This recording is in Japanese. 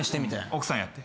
奥さんやって。